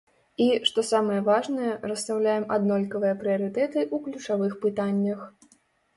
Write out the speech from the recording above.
І, што самае важнае, расстаўляем аднолькавыя прыярытэты ў ключавых пытаннях.